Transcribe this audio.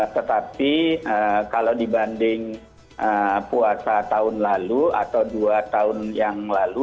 tetapi kalau dibanding puasa tahun lalu atau dua tahun yang lalu